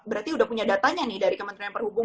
berarti sudah punya datanya nih dari kementerian perhubungan